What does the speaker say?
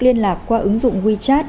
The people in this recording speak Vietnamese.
liên lạc qua ứng dụng wechat